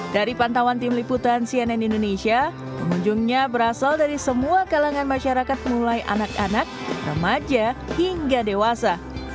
dari pantauan tim liputan cnn indonesia pengunjungnya berasal dari semua kalangan masyarakat mulai anak anak remaja hingga dewasa